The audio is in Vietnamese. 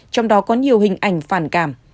trong đó có nhiều hình ảnh phản cảm